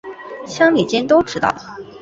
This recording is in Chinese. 乡里间都知道